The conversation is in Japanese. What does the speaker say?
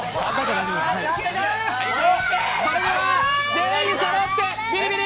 全員そろって、ビリビリ！